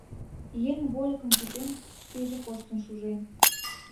еҥ вольыкым кӱтен, шкеже коштын шужен.